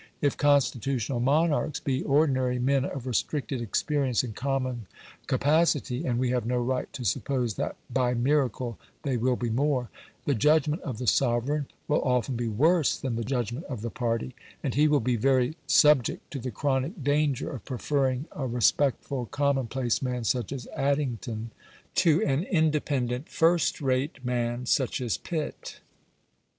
If constitutional monarchs be ordinary men of restricted experience and common capacity (and we have no right to suppose that BY MIRACLE they will be more), the judgment of the sovereign will often be worse than the judgment of the party, and he will be very subject to the chronic danger of preferring a respectful common place man, such as Addington, to an independent first rate man, such as Pitt.